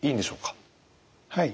はい。